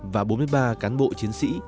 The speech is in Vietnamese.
và bốn mươi ba cán bộ chiến sĩ